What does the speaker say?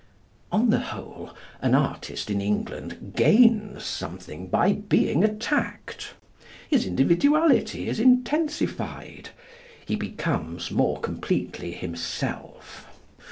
On the whole, an artist in England gains something by being attacked. His individuality is intensified. He becomes more completely himself.